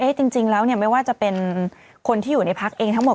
เอ๊ะจริงแล้วไม่ว่าจะเป็นคนที่อยู่ในพักษ์เองทั้งหมด